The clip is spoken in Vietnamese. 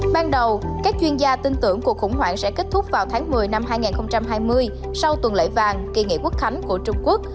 ban đầu các chuyên gia tin tưởng cuộc khủng hoảng sẽ kết thúc vào tháng một mươi năm hai nghìn hai mươi sau tuần lễ vàng kỳ nghỉ quốc khánh của trung quốc